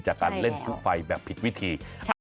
จากการเล่นทุกฝ่ายแบบผิดวิธี